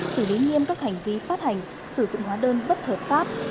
xử lý nghiêm các hành vi phát hành sử dụng hóa đơn bất hợp pháp